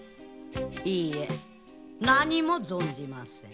いいえ何も存じません。